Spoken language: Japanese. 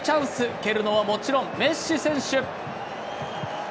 蹴るのはもちろんメッシ選手。